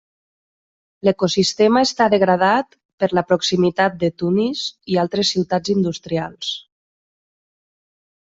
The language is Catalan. L'ecosistema està degradat per la proximitat de Tunis i altres ciutats industrials.